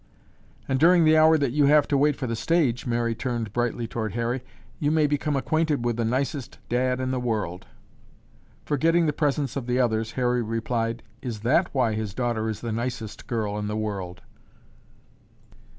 "And during the hour that you have to wait for the stage," Mary turned brightly toward Harry, "you may become acquainted with the nicest dad in the world." Forgetting the presence of the others, Harry replied, "Is that why his daughter is the nicest girl in the world?"